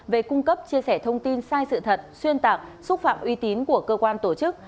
về cung cấp chia sẻ thông tin sai sự thật xuyên tạc xúc phạm uy tín của cơ quan tổ chức